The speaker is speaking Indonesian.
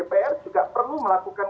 dpr juga perlu melakukan